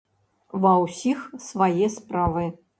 Ва ўсіх свае справы.